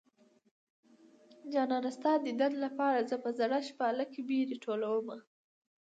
جانانه ستا ديدن لپاره زه په زړه شپاله کې بېرې ټولومه